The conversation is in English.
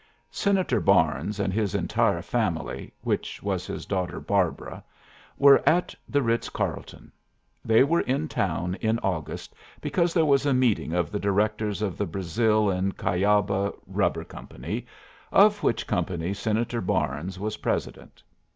Senator Barnes and his entire family, which was his daughter Barbara, were at the Ritz Carlton. They were in town in August because there was a meeting of the directors of the Brazil and Cuyaba Rubber Company, of which company Senator Barnes was president.